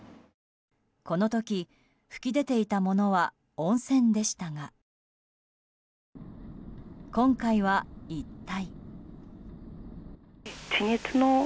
この時、噴き出ていたものは温泉でしたが、今回は一体。